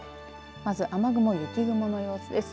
まず雨雲、雪雲の様子です。